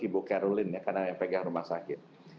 ibu caroline karena yang pegang rumah sakit